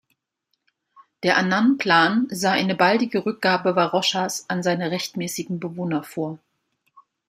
Der Annan-Plan sah eine baldige Rückgabe Varoshas an seine rechtmäßigen Bewohner vor.